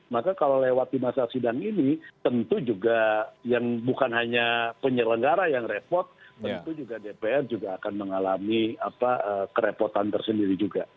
maka kalau lewat di masa sidang ini tentu juga yang bukan hanya penyelenggara yang repot tentu juga dpr juga akan mengalami kerepotan tersendiri juga